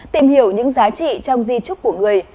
tìm hiểu những giá trị trong di trúc của người